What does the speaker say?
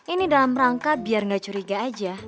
ini dalam rangka biar gak curiga aja